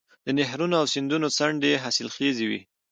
د نهرونو او سیندونو څنډې حاصلخیزې وي.